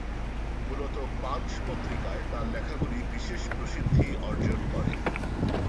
মূলত "পাঞ্চ" পত্রিকায় তার লেখাগুলি বিশেষ প্রসিদ্ধি অর্জন করে।